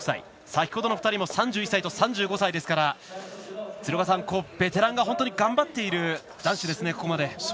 先ほどの２人も３１歳と３５歳ですから鶴岡さん、ベテランが頑張っている男子ですね。